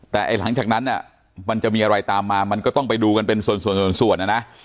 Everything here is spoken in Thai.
แต่หลังจากนั้นมันจะมีอะไรตามมามันก็ต้องไปดูกันเป็นส่วนนะนะ